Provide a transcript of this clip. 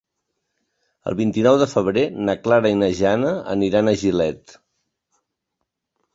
El vint-i-nou de febrer na Clara i na Jana aniran a Gilet.